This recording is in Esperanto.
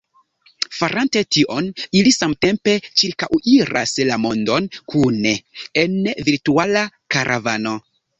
Farante tion, ili samtempe ĉirkaŭiras la mondon kune, en virtuala karavano.